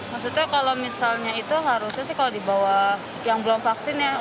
maksudnya kalau misalnya itu harusnya sih kalau di bawah yang belum vaksin ya